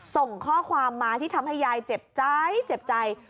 ส่งข้อความมาที่ทำให้ยายเจ็บใจเจ็บใจ